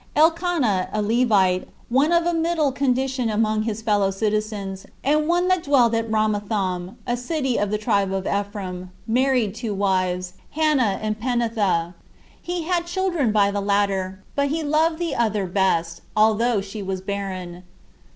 Elcanah, a Levite, one of a middle condition among his fellow citizens, and one that dwelt at Ramathaim, a city of the tribe of Ephraim, married two wives, Hannah and Peninnah. He had children by the latter; but he loved the other best, although she was barren.